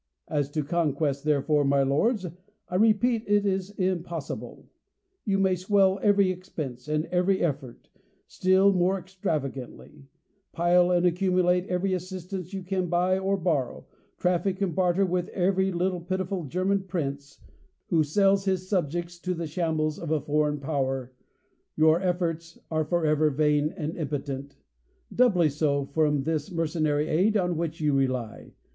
As to conquest, therefore, my lords, I repeat, it is impossible. You may swell every expense, and every effort, still more extravagantly ; pile and accumulate every assistance you can buy or borrow; traffic and barter THE COLUMBIAN ORATOR. 265 barter with every little pitiful German prince, who sells his subjects to the shambles of a foreign power ;^' your efforts are forever vain and impotent ; doubly so 5:om this mercenary aid on which you rely.